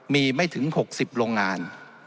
มีไม่ถึง๖๐โรงงาน